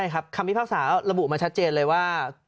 คำพิพากษาระบุมาชัดเจนเลยว่า